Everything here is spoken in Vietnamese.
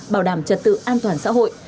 bảo đảm trật tự an toàn xã hội